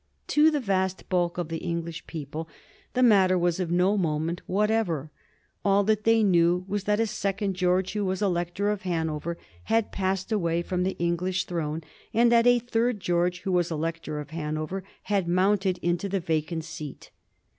To the vast bulk of the English people the matter was of no moment whatever. All that they knew was that a second George, who was Elector of Hanover, had passed away from the English throne, and that a third George, who was Elector of Hanover, had mounted into the va cant seat.